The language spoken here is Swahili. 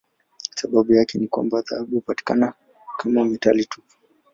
Sababu yake ni kwamba dhahabu hupatikana kama metali tupu.